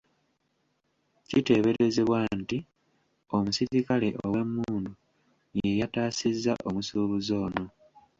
Kiteeberezebwa nti omuserikale ow'emmundu ye yataasizza omusuubuzi ono.